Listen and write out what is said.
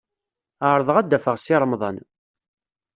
Ɛerḍeɣ ad d-afeɣ Si Remḍan.